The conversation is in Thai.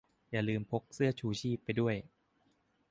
อย่าลืมพกเสื้อชูชีพไปด้วย